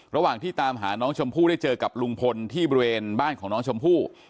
ระหว่างที่ตามหาน้องชมพู่ได้เจอกับลุงพลที่บริเวณบ้านของน้องชมพู่